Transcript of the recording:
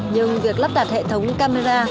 nhưng việc lắp đặt hệ thống camera